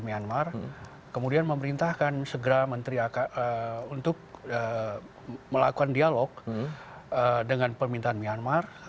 myanmar kemudian memerintahkan segera menteri untuk melakukan dialog dengan permintaan myanmar